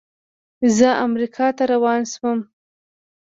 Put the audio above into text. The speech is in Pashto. زه امریکا ته روان شوم.